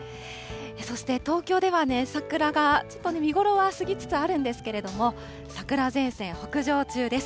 そして東京では桜がちょっと見頃は過ぎつつあるんですけれども、桜前線北上中です。